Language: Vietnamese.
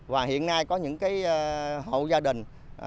và hiện nay có những hậu gia đình